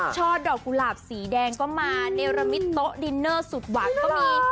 ช่อดอกกุหลาบสีแดงก็มาเนรมิตโต๊ะดินเนอร์สุดหวังก็มี